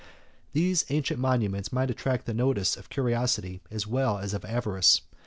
These ancient monuments might attract the notice of curiosity, as well as of avarice.